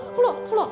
ほら！